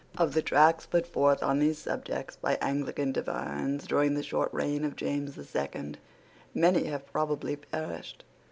Of the tracts put forth on these subjects by Anglican divines during the short reign of James the Second many have probably perished.